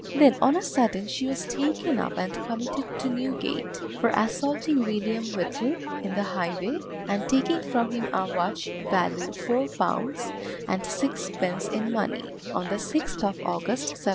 Then on a sudden she was taken up and committed to Newgate, for assaulting William Whittle, in the highway, and taking from him a watch value £4, and sixpence in money, on the 6th of August, 1726.